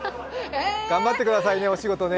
頑張ってくださいね、お仕事ね。